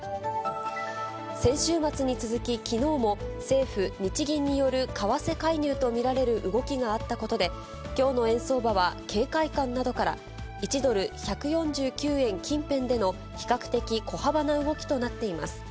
先週末に続き、きのうも政府・日銀による為替介入と見られる動きがあったことで、きょうの円相場は警戒感などから、１ドル１４９円近辺での比較的小幅な動きとなっています。